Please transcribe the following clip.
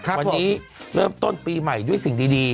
วันนี้เริ่มต้นปีใหม่ด้วยสิ่งดี